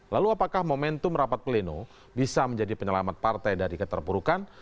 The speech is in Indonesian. lalu apakah momentum rapat pleno bisa menjadi penyelamat partai dari keterpurukan